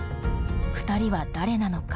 ２人は誰なのか。